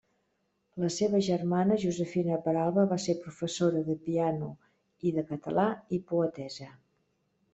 La seva germana Josefina Peralba va ser professora de piano i de català, i poetessa.